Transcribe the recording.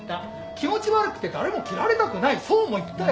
気持ち悪くて誰も切られたくないそうも言ったよ。